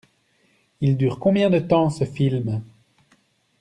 Il dure combien de temps ce film?